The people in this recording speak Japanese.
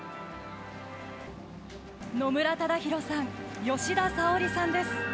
野村忠宏さん、吉田沙保里さんです。